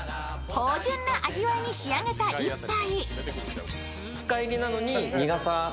じゅんな味わいに仕上げた１杯。